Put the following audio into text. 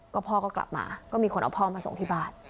ก็พ่อก็กลับมาก็มีคนเอาพ่อมาส่งที่บ้าน